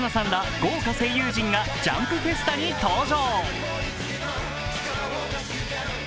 豪華声優陣がジャンプフェスタに登場。